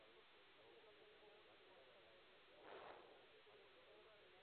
Podemos estimar su valor mediante cálculos aproximados.